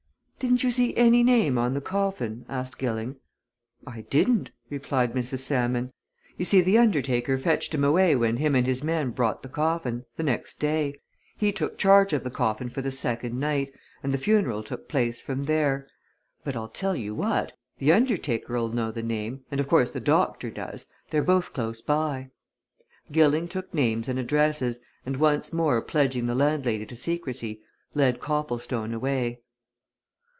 "Didn't you see any name on the coffin?" asked Gilling. "I didn't," replied Mrs. Salmon. "You see, the undertaker fetched him away when him and his men brought the coffin the next day. He took charge of the coffin for the second night, and the funeral took place from there. But I'll tell you what the undertaker'll know the name, and of course the doctor does. They're both close by." Gilling took names and addresses and once more pledging the landlady to secrecy, led Copplestone away.